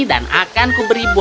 dan aku akan beri buah